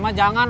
hp mah jangan